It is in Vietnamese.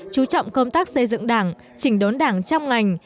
chú trọng công tác xây dựng đảng chỉnh đốn đảng trong ngành